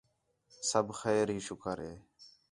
سب خیر ہی شُکر ہے